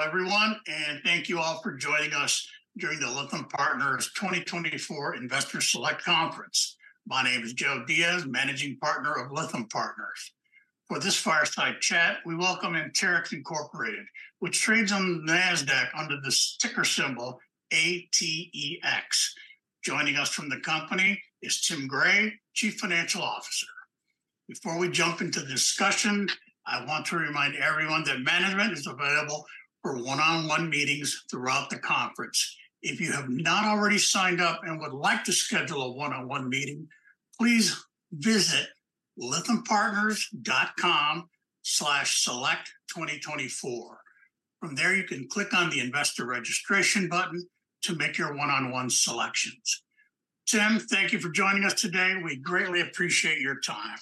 Hello, everyone, and thank you all for joining us during the Lytham Partners 2024 Investor Select Conference. My name is Joe Diaz, Managing Partner of Lytham Partners. For this fireside chat, we welcome Anterix Incorporated, which trades on the NASDAQ under the ticker symbol ATEX. Joining us from the company is Tim Gray, Chief Financial Officer. Before we jump into the discussion, I want to remind everyone that management is available for one-on-one meetings throughout the conference. If you have not already signed up and would like to schedule a one-on-one meeting, please visit lythampartners.com/select2024. From there, you can click on the Investor Registration button to make your one-on-one selections. Tim, thank you for joining us today. We greatly appreciate your time.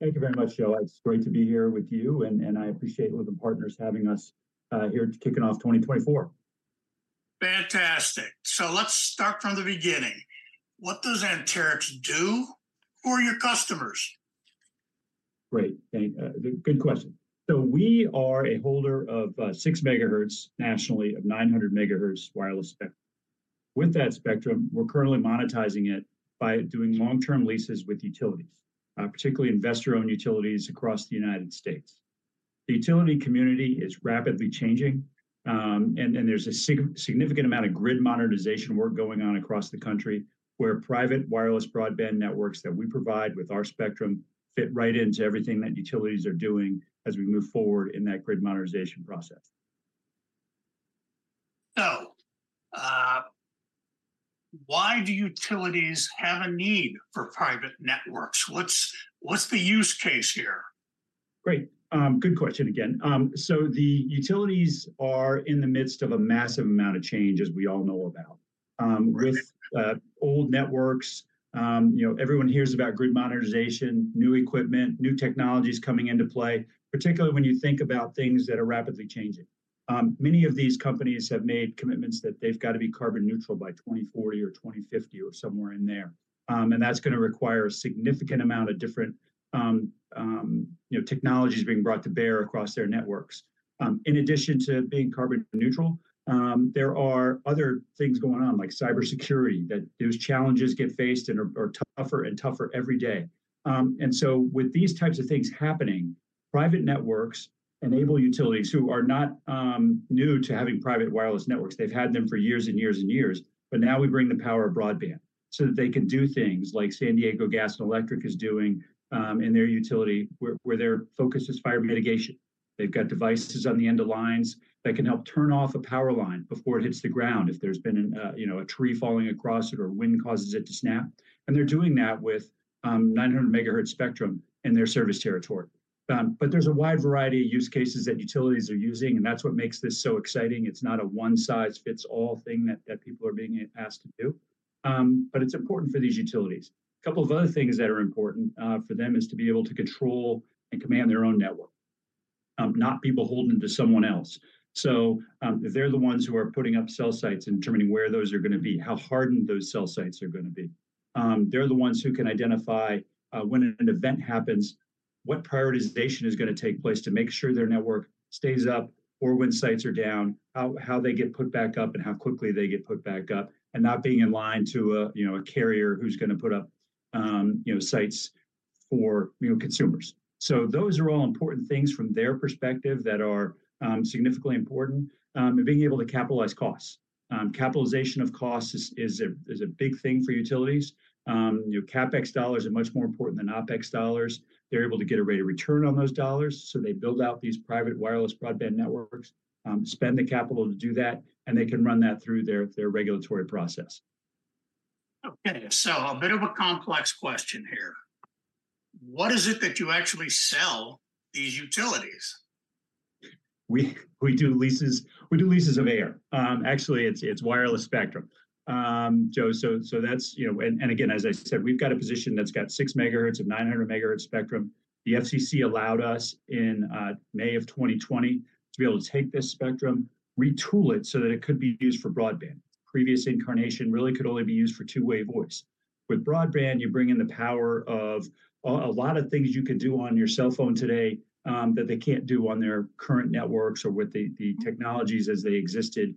Thank you very much, Joe. It's great to be here with you, and I appreciate Lytham Partners having us here to kick off 2024. Fantastic! Let's start from the beginning. What does Anterix do for your customers? Great. Good, good question. So we are a holder of 6 MHz nationally of 900 MHz wireless spectrum. With that spectrum, we're currently monetizing it by doing long-term leases with utilities, particularly investor-owned utilities across the United States. The utility community is rapidly changing, and there's a significant amount of grid modernization work going on across the country, where Private Wireless Broadband Networks that we provide with our spectrum fit right into everything that utilities are doing as we move forward in that grid modernization process. Why do utilities have a need for Private Networks? What's the use case here? Great. Good question again. So the utilities are in the midst of a massive amount of change, as we all know about, with old networks, you know, everyone hears about grid modernization, new equipment, new technologies coming into play, particularly when you think about things that are rapidly changing. Many of these companies have made commitments that they've got to be carbon neutral by 2040 or 2050 or somewhere in there. And that's gonna require a significant amount of different, you know, technologies being brought to bear across their networks. In addition to being carbon neutral, there are other things going on, like cybersecurity, that those challenges get faced and are tougher and tougher every day. And so with these types of things happening, Private Networks enable utilities who are not new to having Private Wireless Networks. They've had them for years and years and years, but now we bring the power of broadband, so that they can do things like San Diego Gas & Electric is doing in their utility, where their focus is fire mitigation. They've got devices on the end of lines that can help turn off a power line before it hits the ground if there's been a you know, a tree falling across it or wind causes it to snap, and they're doing that with 900 MHz spectrum in their service territory. But there's a wide variety of use cases that utilities are using, and that's what makes this so exciting. It's not a one-size-fits-all thing that people are being asked to do. But it's important for these utilities. Couple of other things that are important for them is to be able to control and command their own network, not be beholden to someone else. So, they're the ones who are putting up cell sites and determining where those are gonna be, how hardened those cell sites are gonna be. They're the ones who can identify when an event happes, what prioritization is gonna take place to make sure their network stays up, or when sites are down, how thney get put back up and how quickly they get put back up, and not being in line to a, you know, a carrier who's gonna put up, you know, sites for, you know, consumers. So those are all important things from their perspective that are significantly important, and being able to capitalize costs. Capitalization of costs is a big thing for utilities. You know, CapEx dollars are much more important than OpEx dollars. They're able to get a rate of return on those dollars, so they build out these Private Wireless Broadband Networks, spend the capital to do that, and they can run that through their regulatory process. Okay, so a bit of a complex question here: What is it that you actually sell these utilities? We do leases, we do leases of air. Actually it's, it's wireless spectrum. Joe, so, so that's, you know... And again, as I said, we've got a position that's got 6 MHz of 900 MHz spectrum. The FCC allowed us in May of 2020 to be able to take this spectrum, retool it so that it could be used for broadband. Previous incarnation really could only be used for two-way voice. With broadband, you bring in the power of a lot of things you could do on your cell phone today, that they can't do on their current networks or with the technologies as they existed,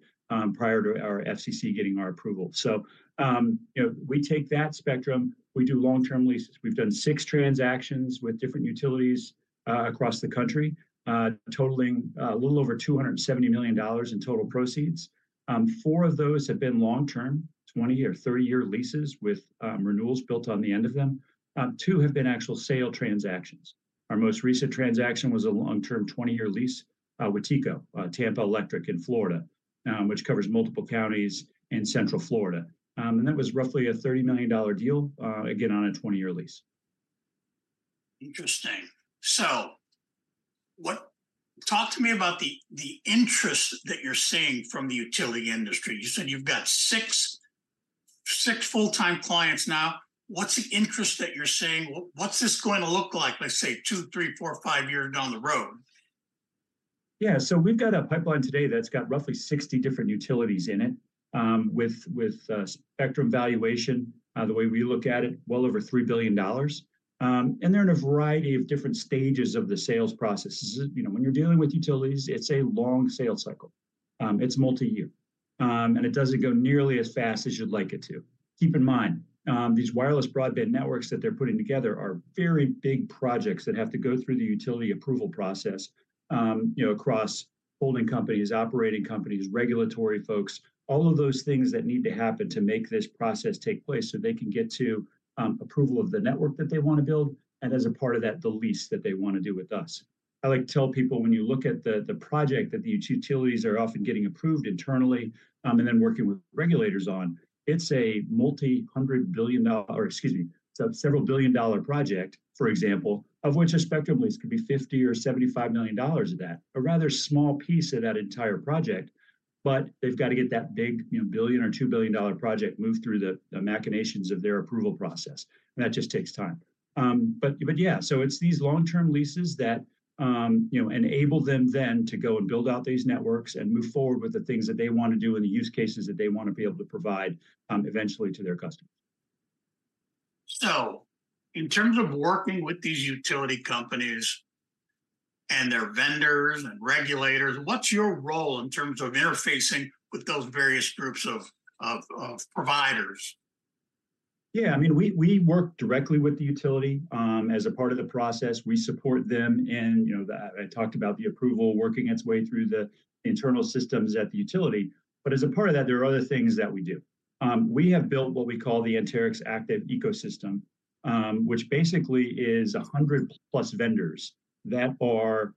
prior to our FCC getting our approval. So, you know, we take that spectrum, we do long-term leases. We've done six transactions with different utilities, across the country, totaling a little over $270 million in total proceeds. Four of those have been long-term, 20-year, 30-year leases with renewals built on the end of them. Two have been actual sale transactions. Our most recent transaction was a long-term 20-year lease with TECO, Tampa Electric in Florida, which covers multiple counties in central Florida. And that was roughly a $30 million deal, again, on a 20-year lease. Interesting. So, what - talk to me about the, the interest that you're seeing from the utility industry. You said you've got six, six full-time clients now. What's the interest that you're seeing? What, what's this going to look like, let's say, two, three, four, five years down the road? Yeah. So we've got a pipeline today that's got roughly 60 different utilities in it, with spectrum valuation, the way we look at it, well over $3 billion. And they're in a variety of different stages of the sales process. You know, when you're dealing with utilities, it's a long sales cycle... it's multi-year. And it doesn't go nearly as fast as you'd like it to. Keep in mind, these wireless broadband networks that they're putting together are very big projects that have to go through the utility approval process, you know, across holding companies, operating companies, regulatory folks, all of those things that need to happen to make this process take place so they can get to approval of the network that they want to build, and as a part of that, the lease that they want to do with us. I like to tell people, when you look at the project that these utilities are often getting approved internally, and then working with regulators on, it's a multi-hundred billion dollar, or excuse me, several billion dollar project, for example, of which a spectrum lease could be $50 million or $75 million of that, a rather small piece of that entire project, but they've got to get that big, you know, $1 billion or $2 billion project moved through the machinations of their approval process, and that just takes time. But yeah, so it's these long-term leases that, you know, enable them then to go and build out these networks and move forward with the things that they want to do and the use cases that they want to be able to provide, eventually to their customers. So, in terms of working with these utility companies and their vendors and regulators, what's your role in terms of interfacing with those various groups of providers? Yeah, I mean, we work directly with the utility. As a part of the process, we support them in, you know. I talked about the approval working its way through the internal systems at the utility. But as a part of that, there are other things that we do. We have built what we call the Anterix Active Ecosystem, which basically is 100+ vendors that are,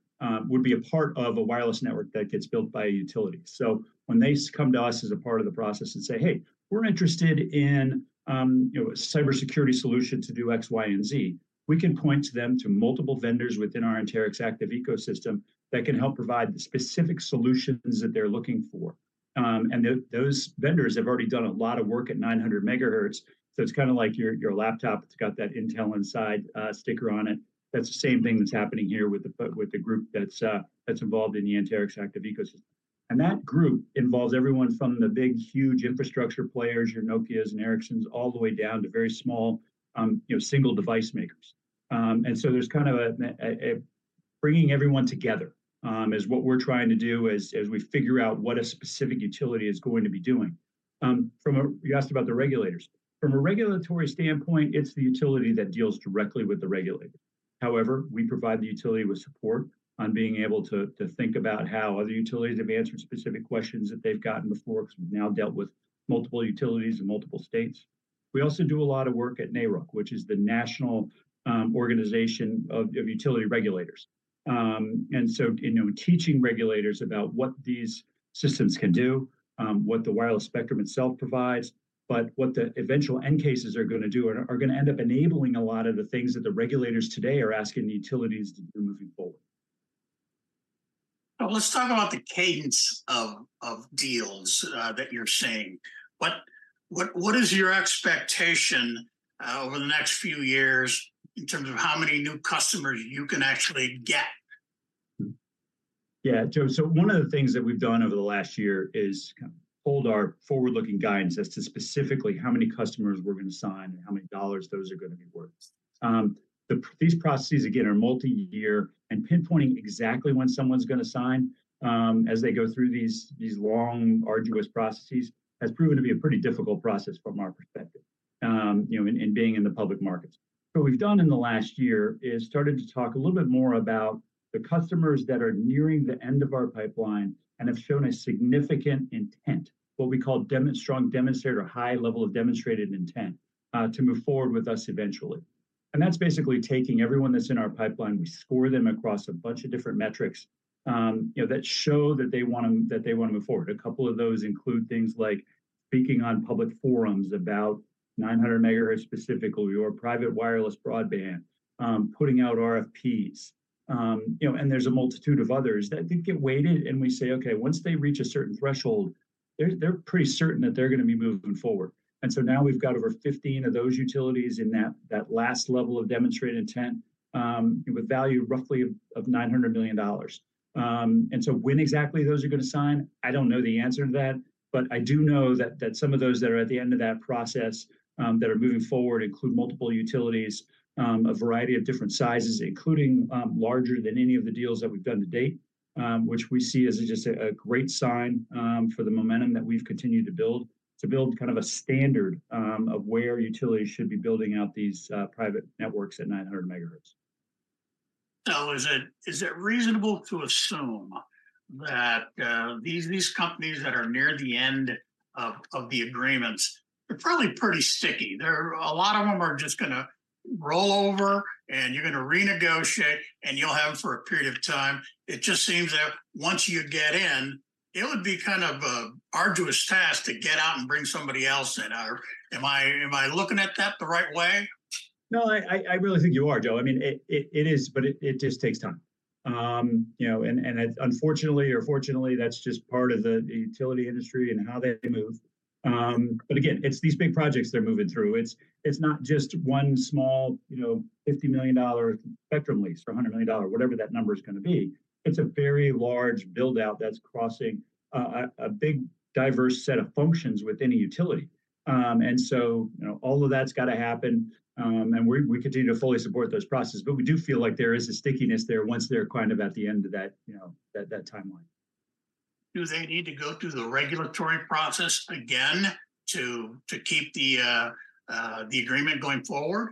would be a part of a wireless network that gets built by a utility. So when they come to us as a part of the process and say, "Hey, we're interested in, you know, a cybersecurity solution to do X, Y, and Z," we can point to them to multiple vendors within our Anterix Active Ecosystem that can help provide the specific solutions that they're looking for. And those vendors have already done a lot of work at 900 MHz, so it's kind of like your laptop, it's got that Intel Inside sticker on it. That's the same thing that's happening here with the group that's involved in the Anterix Active Ecosystem. And that group involves everyone from the big, huge infrastructure players, your Nokias and Ericssons, all the way down to very small, you know, single device makers. And so there's kind of a bringing everyone together is what we're trying to do as we figure out what a specific utility is going to be doing. You asked about the regulators. From a regulatory standpoint, it's the utility that deals directly with the regulator. However, we provide the utility with support on being able to think about how other utilities have answered specific questions that they've gotten before, because we've now dealt with multiple utilities in multiple states. We also do a lot of work at NARUC, which is the national organization of utility regulators. And so, you know, teaching regulators about what these systems can do, what the wireless spectrum itself provides, but what the eventual use cases are going to do are going to end up enabling a lot of the things that the regulators today are asking the utilities to do moving forward. Let's talk about the cadence of deals that you're seeing. What is your expectation over the next few years in terms of how many new customers you can actually get? Yeah, Joe, so one of the things that we've done over the last year is kind of hold our forward-looking guidance as to specifically how many customers we're going to sign and how many dollars those are going to be worth. These processes, again, are multi-year, and pinpointing exactly when someone's going to sign, as they go through these long, arduous processes, has proven to be a pretty difficult process from our perspective, you know, in being in the public markets. What we've done in the last year is started to talk a little bit more about the customers that are nearing the end of our pipeline and have shown a significant intent, what we call demonstrated strong demonstrator, a high level of demonstrated intent, to move forward with us eventually. That's basically taking everyone that's in our pipeline, we score them across a bunch of different metrics, you know, that show that they want to, that they want to move forward. A couple of those include things like speaking on public forums about 900 MHz specifically, or Private Wireless Broadband, putting out RFPs. You know, and there's a multitude of others that they get weighted, and we say, "Okay, once they reach a certain threshold, they're, they're pretty certain that they're going to be moving forward." So now we've got over 15 of those utilities in that, that last level of demonstrated intent, with value roughly of $900 million. And so when exactly those are going to sign, I don't know the answer to that, but I do know that, that some of those that are at the end of that process, that are moving forward include multiple utilities, a variety of different sizes, including larger than any of the deals that we've done to date. Which we see as just a great sign for the momentum that we've continued to build, to build kind of a standard of where utilities should be building out these Private Networks at 900 MHz. So, is it reasonable to assume that these companies that are near the end of the agreements, they're probably pretty sticky. There are a lot of them that are just gonna roll over, and you're gonna renegotiate, and you'll have them for a period of time. It just seems that once you get in, it would be kind of a arduous task to get out and bring somebody else in. Am I looking at that the right way? No, I really think you are, Joe. I mean, it is, but it just takes time. You know, and unfortunately or fortunately, that's just part of the utility industry and how they move. But again, it's these big projects they're moving through. It's not just one small, you know, $50 million spectrum lease or a $100 million, whatever that number is going to be. It's a very large build-out that's crossing a big, diverse set of functions within a utility. And so, you know, all of that's got to happen, and we continue to fully support those processes. But we do feel like there is a stickiness there once they're kind of at the end of that, you know, that timeline. Do they need to go through the regulatory process again to, to keep the, the agreement going forward?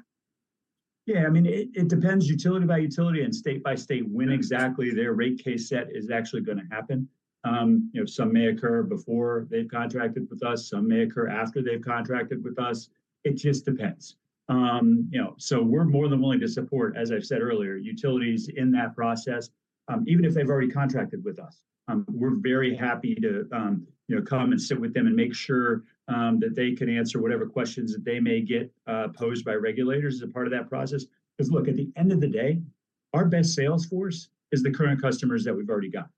Yeah, I mean, it, it depends utility by utility and state by state, when exactly their rate case set is actually gonna happen. You know, some may occur before they've contracted with us, some may occur after they've contracted with us. It just depends. You know, so we're more than willing to support, as I've said earlier, utilities in that process, even if they've already contracted with us. We're very happy to, you know, come and sit with them and make sure that they can answer whatever questions that they may get posed by regulators as a part of that process. Because look, at the end of the day, our best sales force is the current customers that we've already got.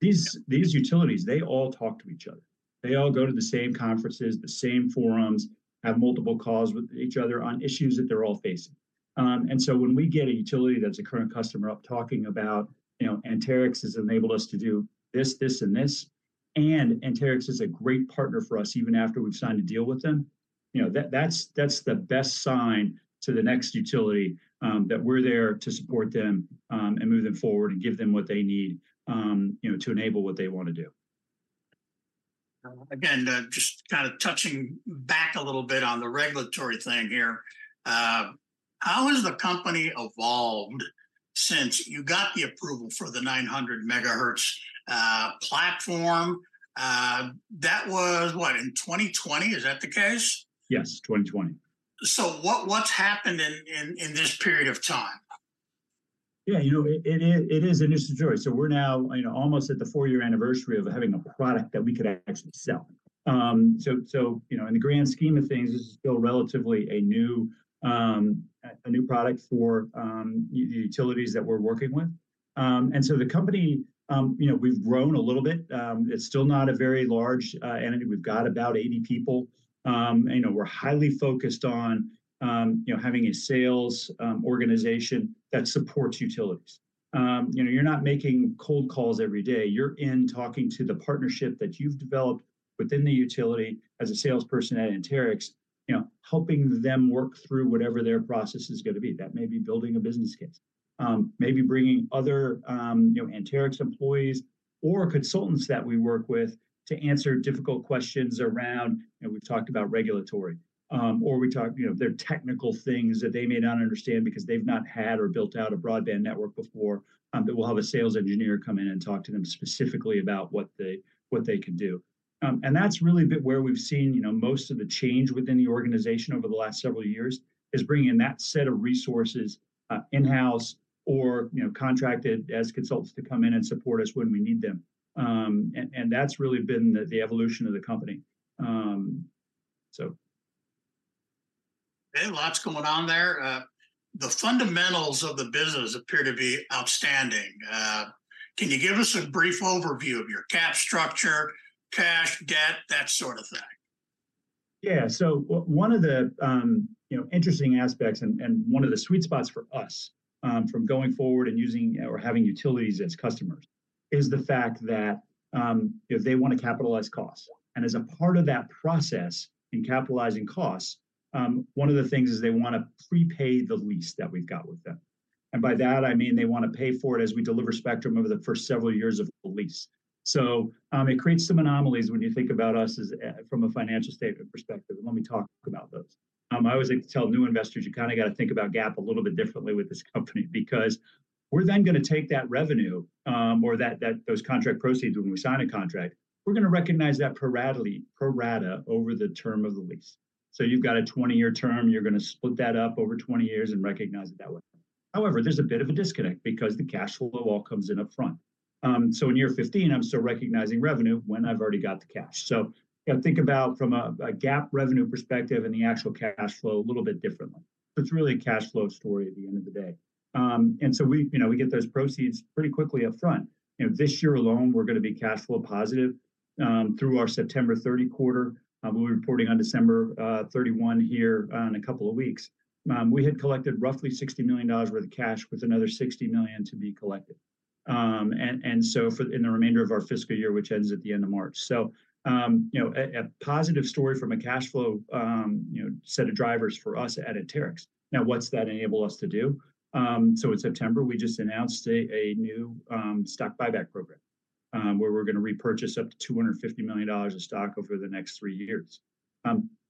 These utilities, they all talk to each other. They all go to the same conferences, the same forums, have multiple calls with each other on issues that they're all facing. And so when we get a utility that's a current customer up talking about, you know, "Anterix has enabled us to do this, this, and this, and Anterix is a great partner for us, even after we've signed a deal with them," you know, that's the best sign to the next utility that we're there to support them and move them forward and give them what they need, you know, to enable what they want to do. Again, just kind of touching back a little bit on the regulatory thing here. How has the company evolved since you got the approval for the 900 MHz platform? That was what, in 2020? Is that the case? Yes, 2020. So what's happened in this period of time? Yeah, you know, it is an interesting story. So we're now, you know, almost at the 4-year anniversary of having a product that we could actually sell. So, you know, in the grand scheme of things, this is still relatively a new product for utilities that we're working with. And so the company, you know, we've grown a little bit. It's still not a very large entity. We've got about 80 people. You know, we're highly focused on, you know, having a sales organization that supports utilities. You know, you're not making cold calls every day. You're in talking to the partnership that you've developed within the utility as a salesperson at Anterix, you know, helping them work through whatever their process is gonna be. That may be building a business case, maybe bringing other, you know, Anterix employees or consultants that we work with to answer difficult questions around... You know, we've talked about regulatory, or we talked, you know, there are technical things that they may not understand because they've not had or built out a broadband network before, but we'll have a sales engineer come in and talk to them specifically about what they, what they could do. And that's really been where we've seen, you know, most of the change within the organization over the last several years, is bringing in that set of resources, in-house or, you know, contracted as consultants to come in and support us when we need them. And that's really been the evolution of the company. So... Okay, lots going on there. The fundamentals of the business appear to be outstanding. Can you give us a brief overview of your cap structure, cash, debt, that sort of thing? Yeah. So one of the, you know, interesting aspects and one of the sweet spots for us, from going forward and using or having utilities as customers, is the fact that, if they want to capitalize costs, and as a part of that process in capitalizing costs, one of the things is they want to prepay the lease that we've got with them. And by that, I mean they want to pay for it as we deliver spectrum over the first several years of the lease. So, it creates some anomalies when you think about us as, from a financial statement perspective, and let me talk about those. I always like to tell new investors, "You kind of got to think about GAAP a little bit differently with this company," because we're then gonna take that revenue, or those contract proceeds when we sign a contract, we're gonna recognize that pro ratly, pro rata, over the term of the lease. So you've got a 20-year term, you're gonna split that up over 20 years and recognize it that way. However, there's a bit of a disconnect because the cash flow all comes in upfront. So in year 15, I'm still recognizing revenue when I've already got the cash. So you got to think about from a GAAP revenue perspective and the actual cash flow a little bit differently. It's really a cash flow story at the end of the day. And so we, you know, we get those proceeds pretty quickly upfront. You know, this year alone, we're gonna be cash flow positive through our September 30 quarter. We're reporting on December 31 here in a couple of weeks. We had collected roughly $60 million worth of cash, with another $60 million to be collected, and so for in the remainder of our fiscal year, which ends at the end of March. So, you know, a positive story from a cash flow, you know, set of drivers for us at Anterix. Now, what's that enable us to do? So in September, we just announced a new stock buyback program, where we're gonna repurchase up to $250 million of stock over the next three years.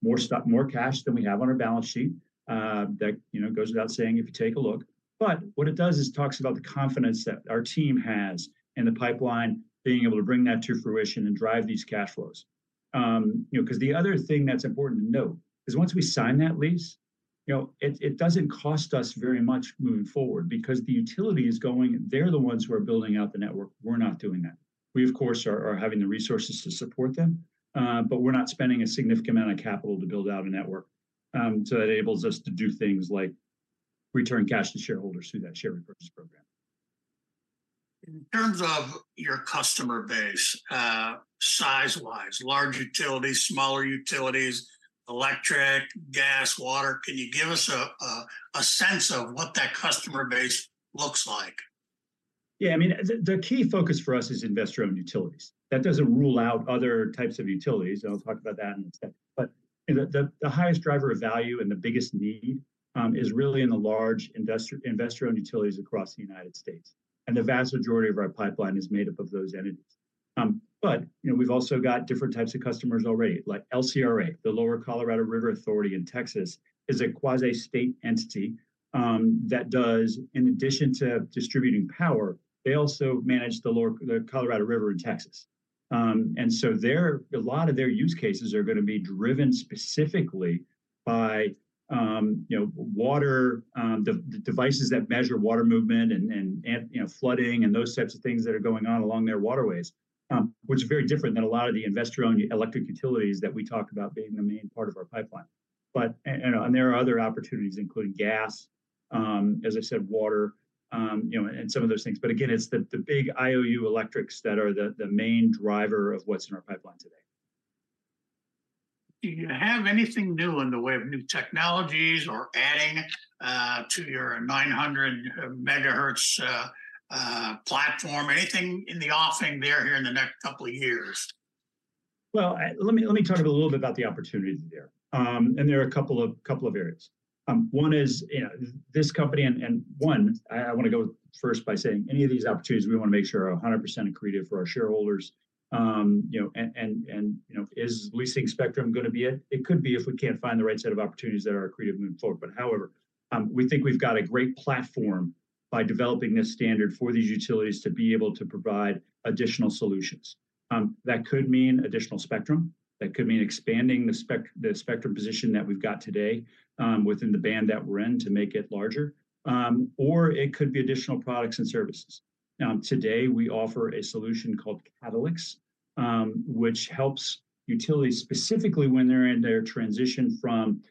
More stock, more cash than we have on our balance sheet, that, you know, goes without saying if you take a look, but what it does is talks about the confidence that our team has in the pipeline, being able to bring that to fruition and drive these cash flows. You know, 'cause the other thing that's important to note is once we sign that lease, you know, it, it doesn't cost us very much moving forward because the utility is going, they're the ones who are building out the network. We're not doing that. We, of course, are, are having the resources to support them, but we're not spending a significant amount of capital to build out a network. So that enables us to do things like return cash to shareholders through that share repurchase program. In terms of your customer base, size-wise, large utilities, smaller utilities, electric, gas, water, can you give us a sense of what that customer base looks like? Yeah, I mean, the key focus for us is investor-owned utilities. That doesn't rule out other types of utilities, and I'll talk about that in a second, but the highest driver of value and the biggest need is really in the large investor-owned utilities across the United States, and the vast majority of our pipeline is made up of those entities. But, you know, we've also got different types of customers already, like LCRA, the Lower Colorado River Authority in Texas, is a quasi-state entity that does, in addition to distributing power, they also manage the Lower Colorado River in Texas. And so a lot of their use cases are gonna be driven specifically by, you know, water, the devices that measure water movement and, you know, flooding and those types of things that are going on along their waterways. Which is very different than a lot of the investor-owned electric utilities that we talk about being the main part of our pipeline. But there are other opportunities, including gas, as I said, water, you know, and some of those things. But again, it's the big IOU electrics that are the main driver of what's in our pipeline today. Do you have anything new in the way of new technologies or adding to your 900 MHz platform? Anything in the offing there here in the next couple of years? Well, let me talk a little bit about the opportunities there. And there are a couple of areas. One is, you know, this company. One, I want to go first by saying, any of these opportunities, we want to make sure are 100% accretive for our shareholders. You know, is leasing spectrum going to be it? It could be if we can't find the right set of opportunities that are accretive moving forward. But however, we think we've got a great platform by developing this standard for these utilities to be able to provide additional solutions. That could mean additional spectrum, that could mean expanding the spectrum position that we've got today, within the band that we're in, to make it larger. Or it could be additional products and services. Today we offer a solution called CatalyX, which helps utilities specifically when they're in their transition from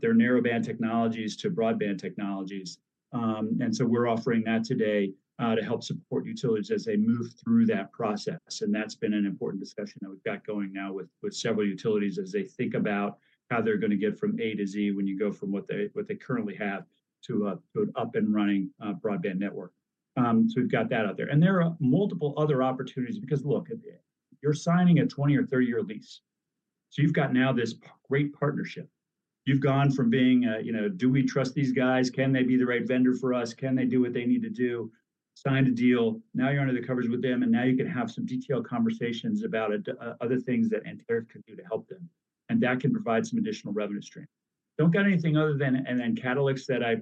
their narrowband technologies to broadband technologies. And so we're offering that today to help support utilities as they move through that process, and that's been an important discussion that we've got going now with several utilities as they think about how they're going to get from A to Z when you go from what they currently have to an up-and-running broadband network. So we've got that out there. And there are multiple other opportunities, because, look, you're signing a 20- or 30-year lease. So you've got now this great partnership. You've gone from being a, you know, "Do we trust these guys? Can they be the right vendor for us? Can they do what they need to do?" Signed a deal, now you're under the covers with them, and now you can have some detailed conversations about other things that Anterix could do to help them. And that can provide some additional revenue stream. Don't got anything other than CatalyX that I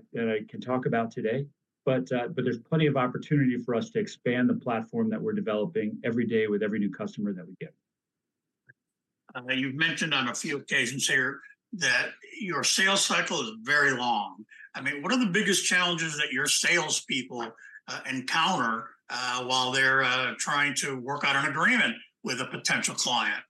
can talk about today, but there's plenty of opportunity for us to expand the platform that we're developing every day with every new customer that we get. You've mentioned on a few occasions here that your sales cycle is very long. I mean, what are the biggest challenges that your salespeople encounter while they're trying to work out an agreement with a potential client?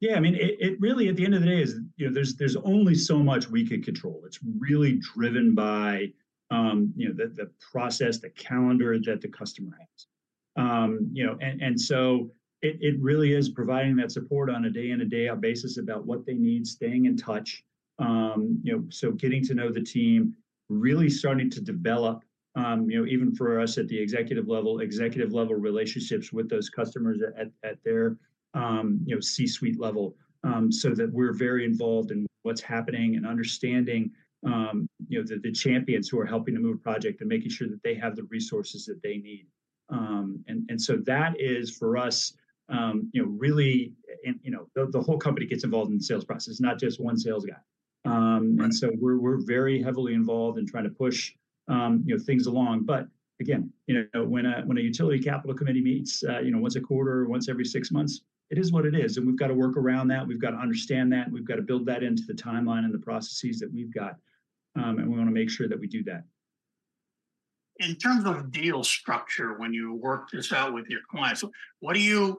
Yeah, I mean, it really, at the end of the day, is, you know, there's only so much we can control. It's really driven by, you know, the process, the calendar that the customer has. You know, so it really is providing that support on a day in, and day out basis about what they need, staying in touch. You know, so getting to know the team, really starting to develop, you know, even for us at the executive level, executive-level relationships with those customers at their, you know, C-suite level. So that we're very involved in what's happening and understanding, you know, the champions who are helping to move a project and making sure that they have the resources that they need. And so that is, for us, you know, really, and, you know. The whole company gets involved in the sales process, not just one sales guy. And so we're very heavily involved in trying to push, you know, things along. But again, you know, when a utility capital committee meets, you know, once a quarter or once every six months, it is what it is, and we've got to work around that. We've got to understand that, and we've got to build that into the timeline and the processes that we've got. And we want to make sure that we do that. In terms of deal structure, when you work this out with your clients, what are you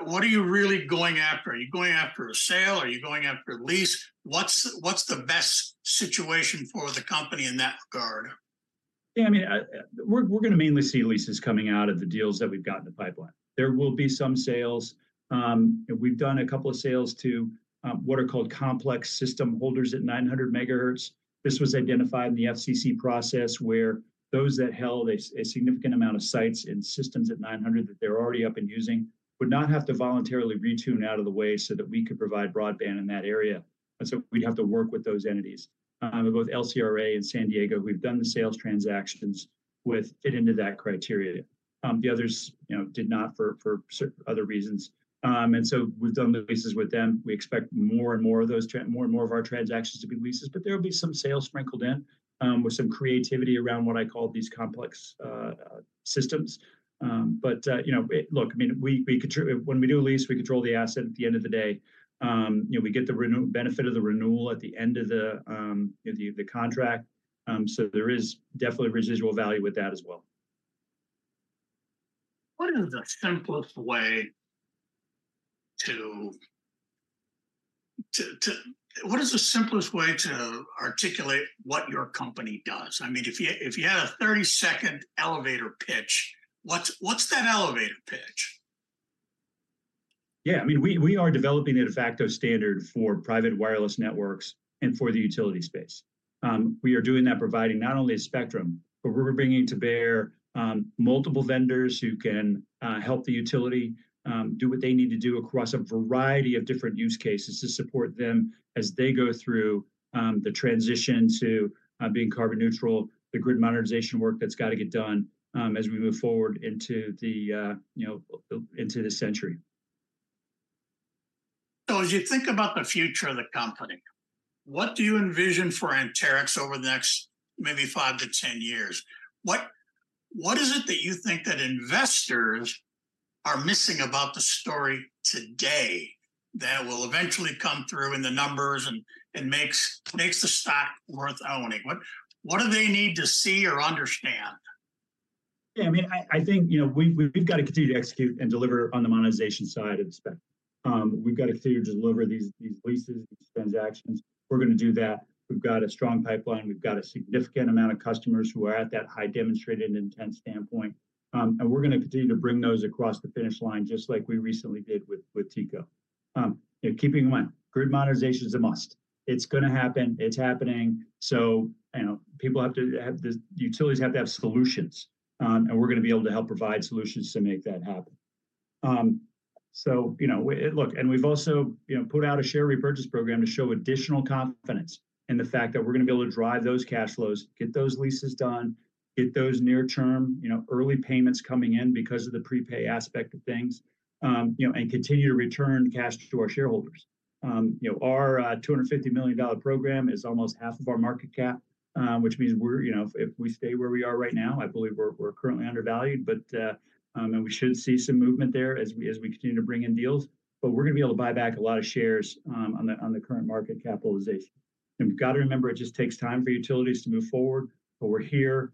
really going after? Are you going after a sale? Are you going after a lease? What's the best situation for the company in that regard? Yeah, I mean, we're going to mainly see leases coming out of the deals that we've got in the pipeline. There will be some sales. We've done a couple of sales to what are called complex system holders at 900 MHz. This was identified in the FCC process, where those that held a significant amount of sites and systems at 900 that they're already up and using would not have to voluntarily retune out of the way so that we could provide broadband in that area. And so we'd have to work with those entities. But both LCRA and San Diego, we've done the sales transactions with, fit into that criteria. The others, you know, did not for other reasons. And so we've done the leases with them. We expect more and more of our transactions to be leases, but there'll be some sales sprinkled in, with some creativity around what I call these complex systems. You know, look, I mean, we control it. When we do a lease, we control the asset at the end of the day. You know, we get the benefit of the renewal at the end of the contract. So there is definitely residual value with that as well. What is the simplest way to articulate what your company does? I mean, if you had a 30-second elevator pitch, what's that elevator pitch? Yeah, I mean, we are developing a de facto standard for Private Wireless Networks and for the utility space. We are doing that providing not only a spectrum, but we're bringing to bear multiple vendors who can help the utility do what they need to do across a variety of different use cases to support them as they go through the transition to being carbon neutral, the grid modernization work that's got to get done, as we move forward into the you know, into this century. So as you think about the future of the company, what do you envision for Anterix over the next maybe five-10 years? What, what is it that you think that investors are missing about the story today that will eventually come through in the numbers and, and makes, makes the stock worth owning? What, what do they need to see or understand? Yeah, I mean, I think, you know, we've got to continue to execute and deliver on the monetization side of the spectrum. We've got to figure to deliver these leases, these transactions. We're gonna do that. We've got a strong pipeline. We've got a significant amount of customers who are at that high demonstrated intent standpoint. And we're gonna continue to bring those across the finish line, just like we recently did with TECO. And keeping in mind, grid modernization is a must. It's gonna happen. It's happening, so, you know, people have to have the utilities have to have solutions, and we're gonna be able to help provide solutions to make that happen. So, you know, look, and we've also, you know, put out a share repurchase program to show additional confidence in the fact that we're gonna be able to drive those cash flows, get those leases done, get those near-term, you know, early payments coming in because of the prepay aspect of things, you know, and continue to return cash to our shareholders. You know, our $250 million program is almost half of our market cap, which means we're, you know, if, if we stay where we are right now, I believe we're, we're currently undervalued, but, and we should see some movement there as we, as we continue to bring in deals. But we're gonna be able to buy back a lot of shares, on the, on the current market capitalization. We've got to remember, it just takes time for utilities to move forward, but we're here.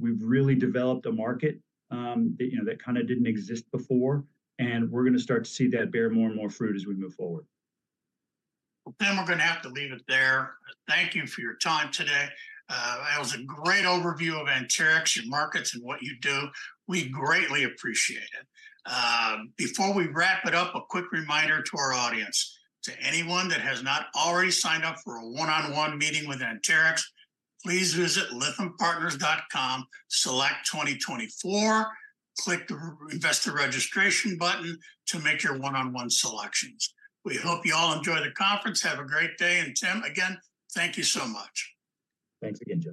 We've really developed a market, that, you know, that kind of didn't exist before, and we're gonna start to see that bear more and more fruit as we move forward. Well, Tim, we're gonna have to leave it there. Thank you for your time today. That was a great overview of Anterix, your markets, and what you do. We greatly appreciate it. Before we wrap it up, a quick reminder to our audience. To anyone that has not already signed up for a one-on-one meeting with Anterix, please visit lythampartners.com, select 2024, click the investor registration button to make your one-on-one selections. We hope you all enjoy the conference. Have a great day, and, Tim, again, thank you so much. Thanks again, Joe.